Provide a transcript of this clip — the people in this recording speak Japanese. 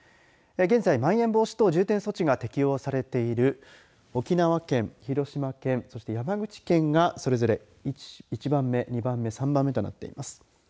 現在、まん延防止等重点措置が適用されている沖縄県、広島県そして山口県がそれぞれ１番目、２番目３番目となっています。